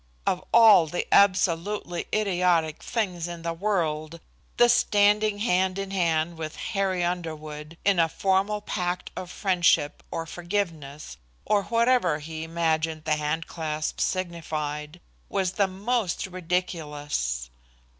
Of all the absolutely idiotic things in the world, this standing hand in hand with Harry Underwood, in a formal pact of friendship or forgiveness or whatever he imagined the hand clasp signified, was the most ridiculous.